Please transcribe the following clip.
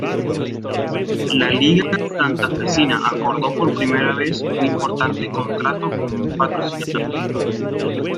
La Liga Santafesina acordó por primera vez un importante contrato con un patrocinador oficial.